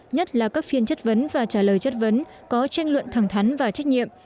nhất là các phiên chất vấn và trả lời chất vấn có tranh luận thẳng thắn và trách nhiệm